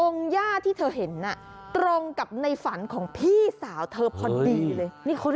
ย่าที่เธอเห็นน่ะตรงกับในฝันของพี่สาวเธอพอดีเลย